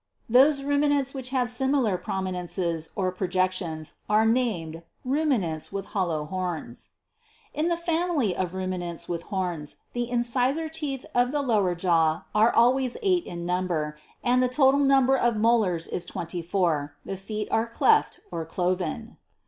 Those Ruminants which have similar prominences or projections are named, Ruminants with hollow horns. 26. In the family of Ruminants with horns, the incisor teeth of the lower jaw are always eight in number, and the total num ber of molars is twenty four : the feet are cleft or cloven.